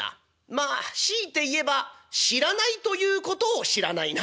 まあ強いて言えば知らないということを知らないな」。